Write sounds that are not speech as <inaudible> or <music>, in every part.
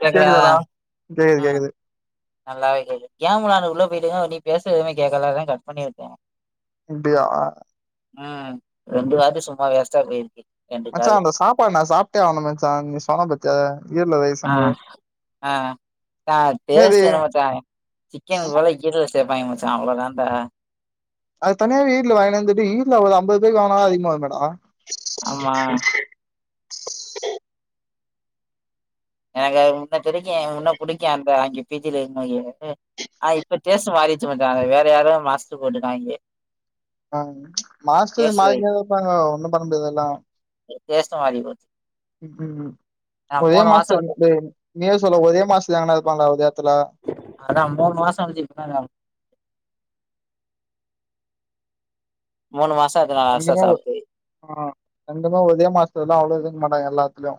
கேக்குதா கேக்குதாடா கேக்குது ம் கேக்குது நல்லாவே கேக்கு கேமரால உள்ள போயிட்டீங்கனா நீ பேசறது எதுமே கேக்கல அதா கட் பண்ணிவிட்டே அப்டியா ம் ரெண்டு வாட்டி சும்மா வேஸ்டா போயிருக்கி மச்சா அந்த சாப்பாடு நா சாப்டே ஆனு மச்சா நீ சொன்ன பாத்தியா ஈரலு ரை அ அ அ என்னது டேஸ்ட்டு என்ன மச்சா சிக்கனு பதுல ஈரல் சேப்பாய்ங்க மச்சா அவ்ளோ தான்டா அது தனியாவே ஈர்லு வாங்கினந்துட்டு ஈர்ல ஒரு ஐம்பது பேருக்கு வாங்கனா அதிகமாக வருமே டா ஆமா எனக்கு அது முன்ன தெடிக்கு முன்ன புடிக்கு அந்த அங்க பி ஜில இருந்வையி ஆன இப்ப டேஸ்ட் மாரி சு மச்சா வேற யாரோ மாஸ்ட்ரு போட்டுட்டாங்க ஆ மாஸ்டர் மாரிக்னேதா இருப்பாங்க ஒன்னு பண்ண முடியாது அதெல்லா டேஸ்டு மாரி போச்சு ம் ம் நா ஒரே மூணு மாசோ மாஸ்டர் கழிச்சு நீயே சொல்லு ஒரே மாஸ்டர் எங்கனது இருப்பாங்லா ஒரு இடத்துல அதா மூணு மாசோ வந்துச்சு இருப்பாங்க மூணு மாச எங்குமே ஒ ஆ எங்குமே ஒரே மாஸ்டர்ல்லா அவ்ளோ இருக்கு மாட்டாங்க எல்லாத்துலயு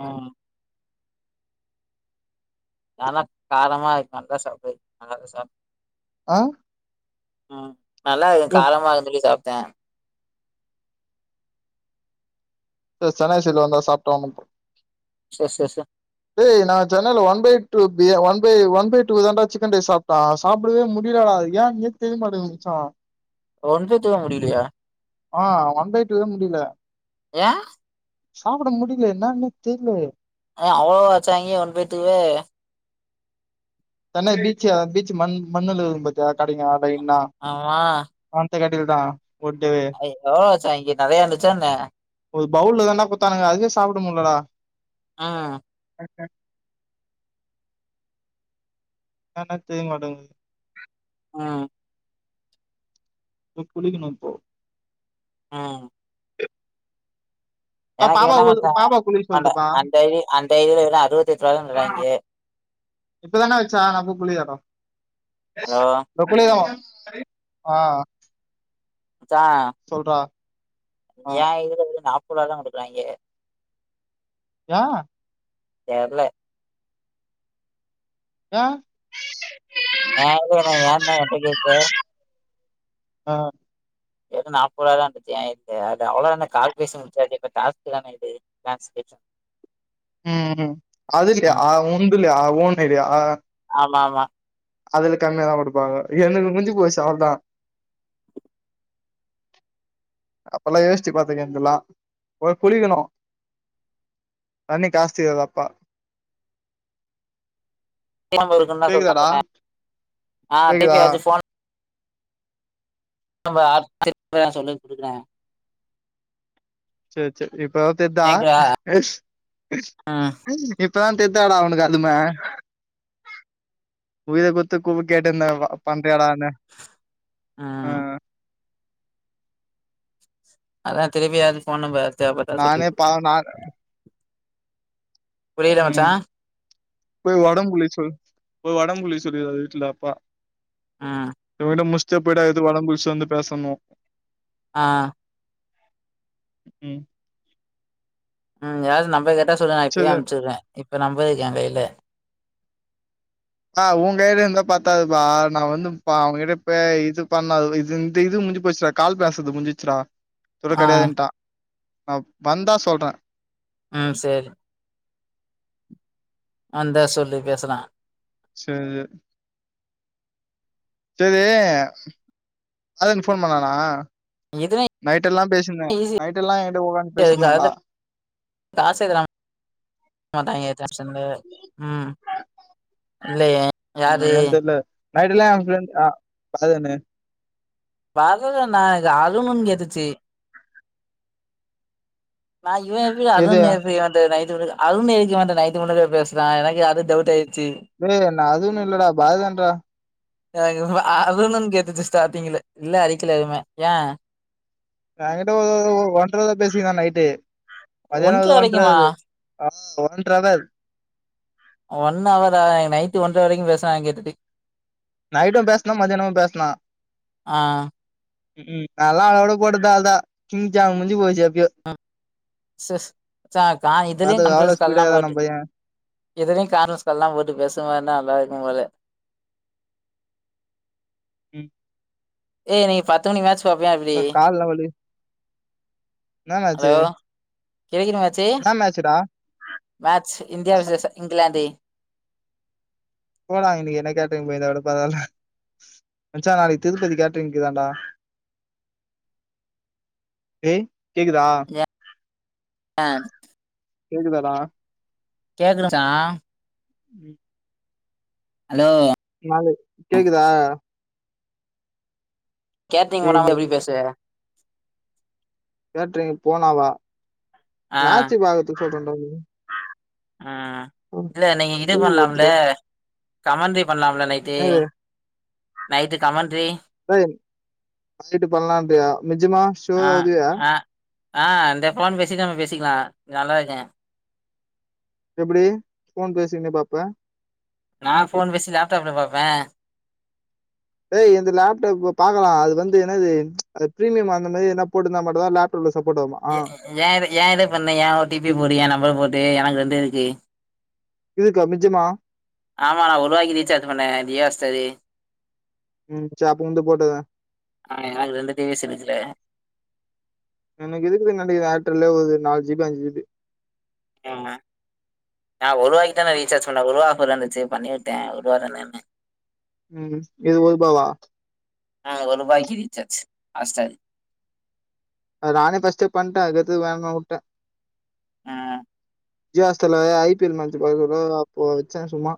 ஆ நாலா காரமா இருக்கான்தா சாப்ட்வே நல்லாதா சாப் ஆ ம் நல்லா இருக்கு காரமா இருக்குன் சொல்லி சாப்ட்டே எ சென்னை சைட்ல வந்தா சாப்ட்டு அனுப்பு சேர் சேர் சே டேய் நா சென்னனைல ஒன் பை டூ பிய one by one by two தாண்டா சிக்கன் ரைஸ் சாப் ட சாப்டவே முடியலடா அது ஏன்னே தெரியமாட்டுது மச்சா ஒன் பை டூ வே முடியலையா ஆ ஒன் பை டூ தா முடிய்ல ஏ சாப்ட முடிய்ல என்னானே தெர்லயே ஏ அவ்ளோவா வச்சாங்கெ ஒன் பை டூ வு சென்னை பீச்ச பீச்சு மண் மண்ணுல இருக்கு பாத்தியா கடைங்க லைன்னா ஆமா அந்த கடைல் தா ஒட்டவே அவங்கெ எவளோ வச்சாங்கெ நெறையா இருந்துச்சா என்ன ஒரு பவுல்ல தான்டா குத்தானுங்க அதுவே சாப்ட முட்லடா ஆ கரெக்டா என்னானே தெரிய மாட்டேங்குது ம் இப்போ குளிக்கனு இப்போ ம் ஆ எனக்கு பாப்பா என்னமோதா பாப்பா குளிக்க அந்த சொல்ட்டுப்பா அந்த ஐ டி அந்த ஐ டி ல வெறு அறுவத்தி எட்ரூவா தா தறாங்கெ இப்பதானே வச்சான் நான் போய் குளிக்கர ஹலோ <unintelligible> க்கலதமா <unintelligible> ஆ ச்சா சொல்றா ஆ எ இதுலருந்து நாப்போருவா தா குடுக்குறாங்கெ ஏ தெர்ல ஏ ஏன் தெர்ல ஏன்டா என்ட கேக்குற ஆ இது வரைக்கு நாப்போருவாதா வந்துச்சு எ இதுக்கு அது அவ்ளோதான கால் பேசி முடிச்சாச்சு இப்ப டாஸ்குதான இது டாஸ்க் <unintelligible> ம் அதுகிட்டயா உன்ந்தில்லயா ஓன் ஐ டி யா ஆமாம்மா அதுல கம்மியாதா குடுப்பாங்க எனக்கு முஞ்சு போச்சு அவள்தா அப்பலா யோசிச்சு பாத்துக்க என்ந்துலா போய் குளிக்கணு தண்ணி காஸ்ட் ஏறுதாப்பா கெம இருக்கனுனா சொல்ட்ட கேக்குதாடா? அப்பப்ப ஆ டி பி கேக்குதா? <unintelligible> ஃபோன் ரொம்ப <inaudible> சொல்லி குடுக்குறே சேர் சேர் இப்பதா தெர்தா கேக்குதா ம் இப்பதா தெர்தாடா ஒனக்கு அதுமே உயிர குட்த்து கூமுட்டயாட்ட நா வ பண்றியாடான்னே ம் அதா திருப்பி யாராது ஃபோன் நம்பராது தேவப்பட்டா சொல்லு நானே பாவம் நான் புரியுதா மச்சா ம் போய் ஒடம்பு குளிக்க சொல் போய் ஒடம்பு குளிக்க சொல்லிறாரு வீட்ல அப்பா ம் இவகிட்ட முடிச்சுட்டே போய்டா எது வடம்புடிச்சு வந்து பேசணு ஆ ம் உம் யாராது நம்பர் கேட்டா சொல்லுங்க நா இப்பயே சரி அனுப்பிச்சி விடுற இப்ப நம்பர் இருக்கு எய கைல ஆ உங் கைல இருந்தா பத்தாது பா நா வந்து அவங்ககிட்ட இ இது பண்ணாது இது இந்த இது முஞ்சு போச்சுறா கால் பேசுறது முடிஞ்சிச்சுடா இதோட ஆ கிடையாதுன்ட்டா நா வந்தா சொல்ற ம் சேரி வந்தா சொல்லு பேசலா சேர் சேரி சேரி அதுக்கு ஃபோன் பண்ணானா இதுலா நைட ல்லா பேசினிருந்த ஈஸி நைட் எல்லா எய கிட்ட உக்காந்து அதுக்கு பேசினிருந்தாடா அதுல காசே தரமா மட்டாங்க <unintelligible> ம் இல்லயே யாரு என்னன்னு தெரியல. நைட் எல்லா எய ஃப்ரெண்ட் <unintelligible> <unintelligible> அருணு கேட்டுச்சு நா இவ எப்டி எது அதுன்னு எப்டி வந்து நைட் விடுக்க அருண் எதுக்கு இவட்ட நைட் முழுக்க பேசுறா எனக்கு அது டவுட் ஆயிடுச்சு ஏய் நா அருண் இல்லடா பரதன் டா எனக்கு அருனுன்னு கேட்டுச்சு ஸ்டார்டிங்ல இல்ல அடிக்கல எதுமே எய எய கிட்ட ஒரு ஒன்றரவர் பேசிகினா நைட்டு மத்தியான ஒன்ற ஒரு வரைக்குமா ஒன்றரவரு ஆ ஓன் ஒன்ற ஹவர் ஒன் அவரா இன்னிக்கு நைட் ஒன்ற வரைக்கு பேசுறா கேட்டுட்டு நைட்டு பேசுனா மதியானமு பேசுனா ஆ உம் அதல்லா அவளோட போட்ட தால் தா சிங் ஜா முடுஞ்சு போச்சு எப்பயோ ம் சிஸ் கா அது இதுலயு அவ்ளோ கான்பரன்ஸ் கால்லா ஸ்பீடா ஏறுனா போட்டு நம்ம பைய இதுலையு கார்னஸ் கால்லா போட்டு பேசுனா நல்லா இருக்கு போல ம்ம் ஏய் இன்னிக்கு பத்து மணிக்கு மேட்ச் பாப்பியா எப்டி கால்லா வலி என்னா ஹலோ மேட்ச்சு கிடைக்கணு மேச்சு என்னா மேட்ச்சுடா மேட்ச் இந்தியா வெசஸ் இங்கிலாந்து போடா இன்னிக்கு நைட் <unintelligible> போய் இருந்தா கூட பரவாயில்ல மச்சா, நாளைக்கு திருப்பதி கேட்டிருங்க்கு தாண்டா டேய், கேக்குதா, ஏ ஆ கேக்குதாடா கேக்குறச்சா ம்ம் ஹலோ நாளு கேக்குதா கேட்ரிங் டேய் போன்னா நீ எப்டி பேசுவ கேட்ரிங் போனாவா ஆ மேச்சு பாக்கறது சொல்ரண்டா உம் இல்ல நீங்க இது பண்ணலாம்ல வருதுடா கமண்டறி பண்ணலாம்ல நைட்டு என்னது நைட்டு கமன்ட்றி டேய், நைட்டு பண்ணுலான்னுரியா நிஜிமா சுரா வரியா? அ இந்த போன் பேசிட்டு நம்ம பேசிக்கலா நல்லது தா எப்டி போன் பேசீயின்னே பாப்ப நா போன் பேசி லேப்டாப்ல பாப்ப ஏய், என்னுது லேப்டாப்புல பாக்கலா. அது வந்து என்னது அந்த பிரிமியும் அந்த மாறி எதுனாது போட்டுருந்த மட்டு தா லேப்டாப்ல சப்போர்ட் ஆகுமா. ஆ எ எய எய இத பண்ண எய ஓடிபி போடு, எய நம்பர போட்டு எனக்கு ரெண்டு இருக்கு இருக்கா நிஜமா ஆமா நா ஒருவாக்கி ரிச்சார்ஜ் பண்ண ஜியோ ஹாட்ஸ்டாரு. ம் சரி அப்போ வந்து போட்டதேன் ஆ எனக்கு ரெண்டு டிரஸ் எடுக்கல. எனக்கு இருக்குது நெனேக்கிறே ஏர்டெல்ல ஒரு நாலு ஜி பி அஞ்சி ஜி பி. இவ்ங்க நா ஒருவாக்கி தானே ரிசார்ஜ் பண்ணே ஒருவா ஆஃபர் வந்துச்சு பண்ணிவுட்டே ஒருவா தானேன்னு ம் இது ஒருபாவா ஆ ஓரு ரூபாய்க்கு ரிசார்ஜ் ஹாட்ஸ்டாரு அது நானே பஸ்ட்டு பண்ட்டே அதுக்கத்து வேணனான் உட்டே ஆ ஜூயோ ஹாட்ஸ்டார் ல ஐ பி எல் மேட்ச்சு பாக்குறதுக் அப்போ வச்சே சும்மா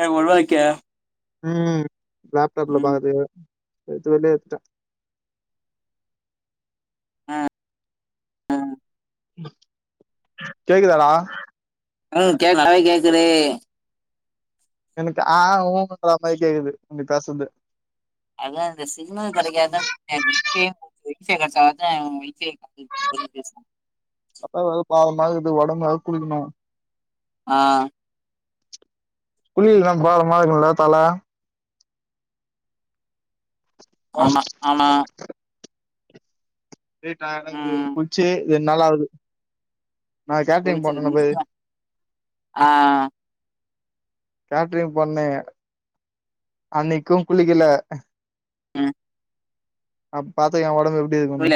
ஆ ஒருவாய்க்கா ம் லேப்டாப்ல ம் பாக்கற்துக்கு எத்து வெளியே உட்டே ஆ ஆ கேக்குதாடா ம் கேக்கவே கேக்குது எனக்கு ஆ உ ன்ற மாதிரி கேக்குது நீ பேசது அதா இந்த சிக்னல் கெடைக்காத்தா <unintelligible> <inaudible> அப்பாவ பாவம் பாக்கதுக்கு ஒடம்பா குடுக்குணு ஆ புள்ளி இல்லாத கோலம் மாரி இருக்கூல தல. ஆமா ஆமா ரே டயடாங்கு ம் குள்ச்சி ரெண்ட் நாளாவுது நா கேட்டிங் ஒழிச்சிரு பண்ணனுப்பே ஆ கேட்ரிங் பண்ணே அன்னிக்கூ குளிக்கல ம் அப் பாத்துக்கோ ஏ ஒடம்பு எப்டி இருக்கூனு புரில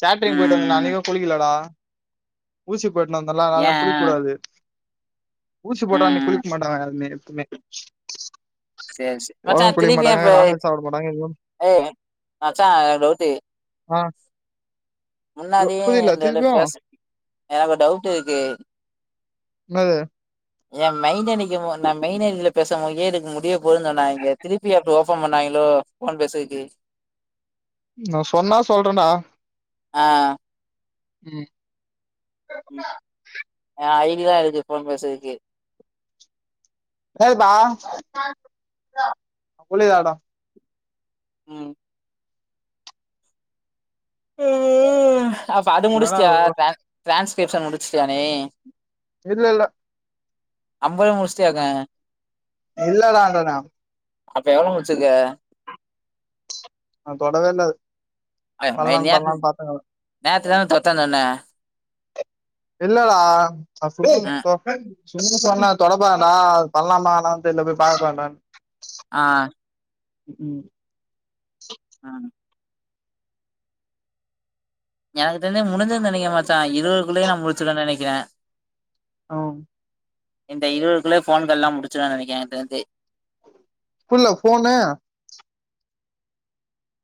கேட்ரிங் போயிட்டு வந்தனே ம் அன்னைக்கூ குளிக்கலடா ஊசி போட்னு வந்தன்ல அதுனால ஏ நா குளிக்கூடாது ஊசி போட்டா அன்னிக் ம் குளிக்கமாட்டாங்க யாருமே எப்புமே சேரி செ மச்சா திருப்பியு இப்ப சாப்ட மாட்டாங்க எதுவும் ஏய் மச்சா ஓரு டவுட்டு ஆ முன்னாடியே புரியல <unintelligible> திருப்பியும் பேஸ் எனக்கு ஒரு டவுட்டு இருக்கு. என்னது ஏ மெயின் ஐ டி க்கி நா மெயின் ஐ டி ல பேச போதே எனக்கு முடிய போதுன்னு சொன்னாய்ங்க திருப்பி அப்போ ஓபன் பண்ணாய்ங்களோ ஃபோன் பேசுறக்கு நா சொன்னா சொல்றேன்டா ஆ ம் ம் ஏ ஐ டி தா இருக்கு போன் பேசுறக்கு ப்ப புல்லதடா <unintelligible> ம் அப்ப அது வேணா முடிச்சிட்டியா ட்ரான் ட்ரான்ஸ்கிரிப்ஷன் முடிச்ட்டியா நீ இல்லல்லே அம்பது முட்ச்சிட்டியாக்க இல்லடா சொன்னே அப்ப எவ்ளோ முச்சிருக நா தொடவேல்ல அது அய் அது பண்ணலான்னு நேத்து பண்ணலான்னு பாத்தேன் நேத்துதானே தொட்ட தொன்னே இல்ல டா ஃபஸ்ட்டு ஃபஸ்ட்டு ம் தொ சின் சொன்னே அத தொட வேண்டா பண்லாமா வேண்டாமான் தெர்ல போய் பாக்கலான்டா ஆ ம் ம் ஆ எனக்கு தெரிஞ்சு முடிஞ்சிருன் நெனைக்கிறே மச்சா இருவதுக்குள்ளயே நா முடிச்சிருவே நெனைக்கிறே ஆ இந்த இருவதுக்குள்ளே ஃபோன் கால்லா முடிச்சுவ நெனைக்கிறே எனக்கு தெரிஞ்சு புர்ல ஃபோனு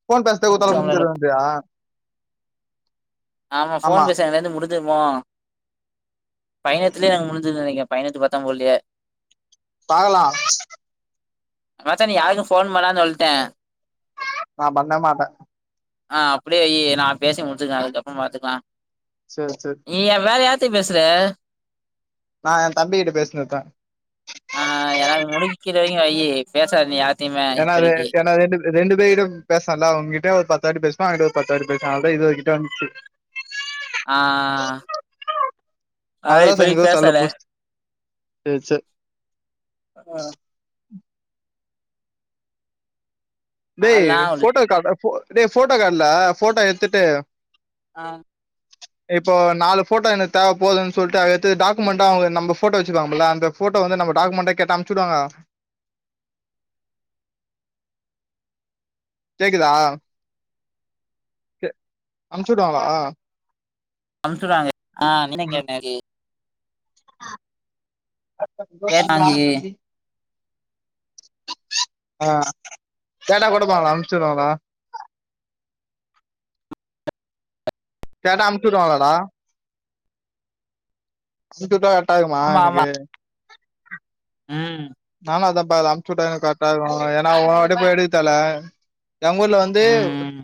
ஃபோன் பேசத்து வுதோட ஸோ, உங்களுக்கு- முஞ்சிருன்றியா ஆம்மா ஆமா ஃபோன் பேச இன்னைலந்து முடிஞ்சிருமோ பைனெத்துலே என்க்கு முடிஞ்சிது நெனைக்க பைனைத்து பத்தபோல்லீயே பாகலா மச்சா நீ யார்க்கு ஃபோன் பண்ணாத சொல்ட்டே நா பண்ண மாட்டே ஆ அப்டியே வையி நா பேசி முட்ச்சுக்குறே அதுக்கப்றோ பாத்துக்லா சேர் சேர் நீ ய வேற யார்ட்ட பேசுற நா எ தம்பி கிட்ட பேசின்னுப்பே ஆ எனக்கு முடிக்கிற வரைக்கு வையி பேசாத நீ யா ஏனா அது என்ன ரேட்டுக்கு ரெண்டு சைடும் பேசல்ல ஓகிட்ட ஒரு பத்து வாட்டி பேசன அவேகிட்ட ஒரு பத்து வாட்டி பேசன அவ்ளோதா இருவது கிட்ட வன்ச்சு ஆ அதா இப்பதிக்கி பேசல ஏ சே ஆ டேய் அதெல்லா ஒரு ஃபோட்டோ க டேய் ஃபோட்டோ கட்ல ஃபோட்டோ எத்துட்டு ஆ இப்போ நாலு ஃபோட்டோ எனக்கு தேவ போதுன்னு சொல்ட்டு அது எடுத்து டாக்குமெண்டா அவங்க நம்ம ஃபோட்டோ வச்சுக்கலாம்ல அந்த ஃபோட்டோ வந்து நம்ம டாக்குமண்டா கேட்டா அம்ச்சுடுவாங்க கேக்குதா அம்ச்சுடுவாங்ளா அம்ச்சுடுவாங்க <inaudible> கேட்டாங்க <inaudible> ஆ கேட்டா கொடுப்பாங்ளா அம்ச்சுடுவாங்ளா கேட்டா அம்ச்சுடுவாங்களா டா அம்ச்சுட்டா கர்ட்டாருக்குமா ஆமா ஆமா எனக்கு ம் நானு அதாப்பாக்றே அம்ச்சுட்டா எனக்கு கர்ட்டாருக்கு ஏன்னா ஒவ்வொரு வாட்டிடுக்க தேவல்ல எங்கூர்ல வந்து ம்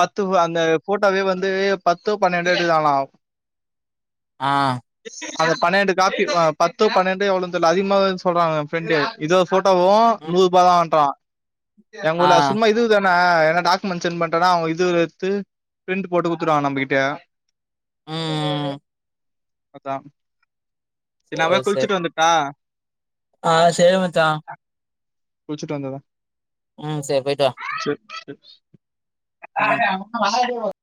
பத்து அந்த ஃபோட்டோவே வந்து பத்தோ பன்னெண்டோ எடுக்றாங்லா ஆ அது பன்ணென்டு காப்பி ஆ பத்தோ பன்ணென்டோ எவ்ளோன் தெர்ல அதிகமா வரு சொல்றாங்க பென்ட்ரைவ் இதுவது ஃபோட்டோவு ம் நூறுபாதான்றா ஆ எங்கூர்ல சும்மா இதுவ து தான ஏனா டாக்குமெண்ட் சென்ட் பண்ணட்டோனா அவுங்க இதுவ் எத்து பிரிண்ட் போட்டு குத்துருவாங்க நம்பகிட்ட ம் ம் அதா எ நா சேரி போய் சேரி குள்ச்சிட்டு வந்திருட்டா ஆ சரி மச்சா குள்ச்சிட்டு வந்தாதா ம் சேர் போய்ட்டுவா சே ம் சே